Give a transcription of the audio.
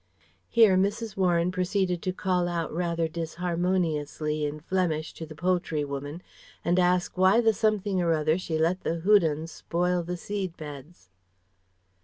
(Here Mrs. Warren proceeded to call out rather disharmoniously in Flemish to the poultry woman, and asked why the something or other she let the Houdans spoil the seed beds.)